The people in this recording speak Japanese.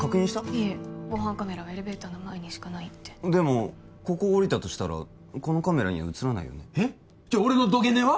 いえカメラはエレベーター前にしかないとでもここ下りたとしたらこのカメラには写らないよねえっじゃあ俺の土下寝は？